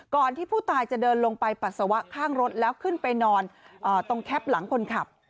ที่ผู้ตายจะเดินลงไปปัสสาวะข้างรถแล้วขึ้นไปนอนตรงแคปหลังคนขับ